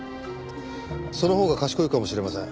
そのほうが賢いかもしれません。